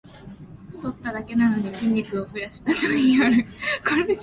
太っただけなのに筋肉を増やしたと言いはる